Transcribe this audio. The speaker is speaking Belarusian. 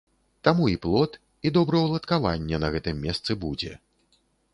Таму і плот, і добраўладкаванне на гэтым месцы будзе.